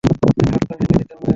আর হাত পা ভেঙে দিতে হবে।